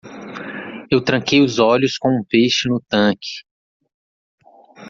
Eu tranquei os olhos com um peixe no tanque.